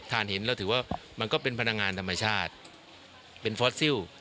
หินแล้วถือว่ามันก็เป็นพลังงานธรรมชาติเป็นฟอสซิล